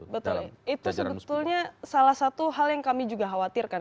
betul itu sebetulnya salah satu hal yang kami juga khawatirkan